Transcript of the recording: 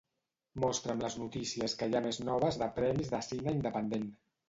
Mostra'm les notícies que hi ha més noves de premis de cine independent.